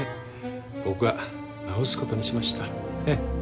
僕が直すことにしました。